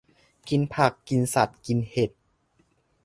กินผัก กินสัตว์ กินเห็ด